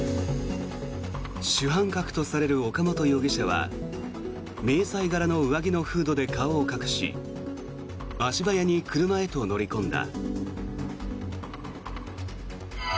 主犯格とされる岡本容疑者は迷彩柄の上着のフードで顔を隠し足早に車へと乗りこんだ。